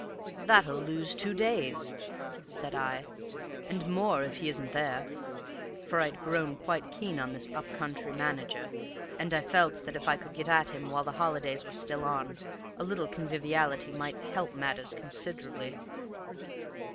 "'That'll lose two days,' said I, 'and more if he isn't there,' for I'd grown quite keen on this up country manager, and I felt that if I could get at him while the holidays were still on, a little conviviality might help matters considerably.